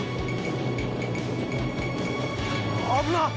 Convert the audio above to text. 危なっ。